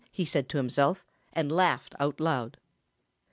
he said to himself and laughed aloud.